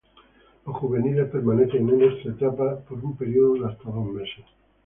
Lo juveniles permanecen en esta etapa por un periodo de hasta dos meses.